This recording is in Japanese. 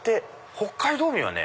北海道民はね